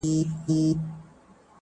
او د ده په وینا کوم شرنګ چي